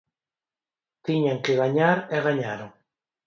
Tiñan que gañar e gañaron.